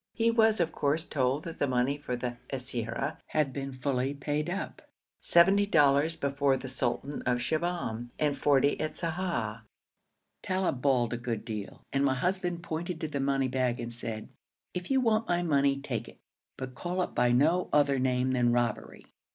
He was, of course, told that the money for the siyara had been fully paid up, seventy dollars before the sultan of Shibahm, and forty at Sa'ah. Talib bawled a good deal, and my husband pointed to the money bag and said, 'If you want all my money, take it; but call it by no other name than robbery.